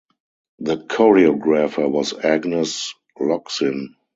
The choreographer was Agnes Locsin.